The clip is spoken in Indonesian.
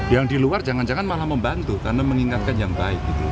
yang di luar jangan jangan malah membantu karena mengingatkan yang baik